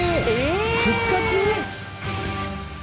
復活？